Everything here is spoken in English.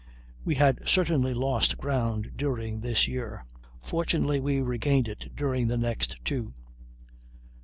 We had certainly lost ground during this year; fortunately we regained it during the next two.